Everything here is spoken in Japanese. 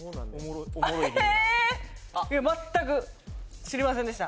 いや全く知りませんでした